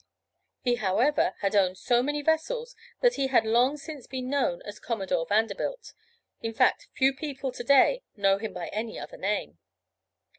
He, however, had owned so many vessels, that he had long since been known as Commodore Vanderbilt, in fact few people to day know him by any other name.